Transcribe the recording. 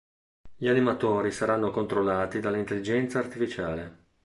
Gli animatori saranno controllati dall’intelligenza artificiale.